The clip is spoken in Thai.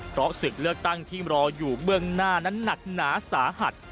เพราะศึกเลือกตั้งที่รออยู่เบื้องหน้านั้นหนักหนาสาหัส